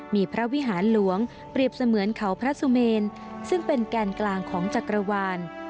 มีพระวิหารหลวงเปรียบเสมือนเขาพระสุเมนซึ่งเป็นแกนกลางของจักรวาล